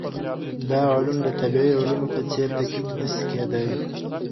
دا علوم د طبیعي علومو په څېر دقیق نه سي کيدای.